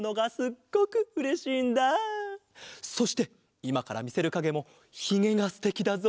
そしていまからみせるかげもひげがすてきだぞ！